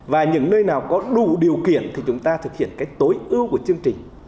và những nơi nào có đủ điều kiện thì chúng ta thực hiện cái tối ưu của chương trình